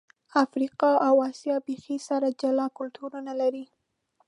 افریقا او آسیا بیخي سره جلا کلتورونه لري.